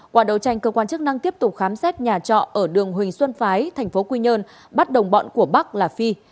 qua đấu tranh cơ quan chức năng tiếp tục khám xét nhà trọ ở đường huỳnh xuân phái thành phố quy nhơn bắt đồng bọn của bắc là phi